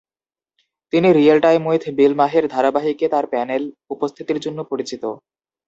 তিনি "Real Time with Bill Maher" ধারাবাহিকে তার প্যানেল উপস্থিতির জন্য পরিচিত।